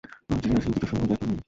আজ রিহার্সালে, দুইটার সময় দেখা করি।